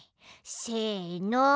せの。